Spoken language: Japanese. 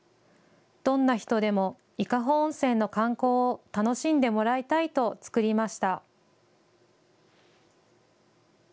どんな人でも伊香保温泉の観光を楽しんでもらいたいと作りました。